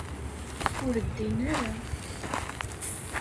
Ur ddin ara.